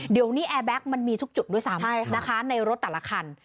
เดี๋ยวนี้แอร์แก๊กมันมีทุกจุดด้วยซ้ำนะคะในรถแต่ละคัน